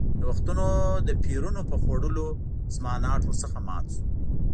د وختونو د پېرونو په خوړلو زما ناټ ور څخه مات شو.